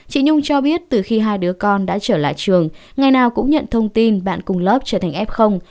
chị nhung cho biết từ khi hai đứa con đã trở lại trường ngày nào cũng nhận thông tin bạn cùng lớp trở thành f